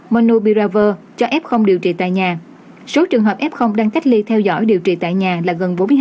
monopiravir cho f điều trị tại nhà số trường hợp f đang cách ly theo dõi điều trị tại nhà là gần